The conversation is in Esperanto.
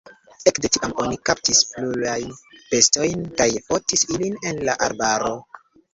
Ekde tiam oni kaptis pluajn bestojn kaj fotis ilin en la arbaro.